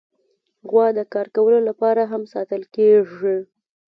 غوا د کار کولو لپاره هم ساتل کېږي.